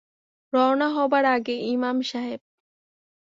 রওনা হবার আগে ইমাম সাহেব।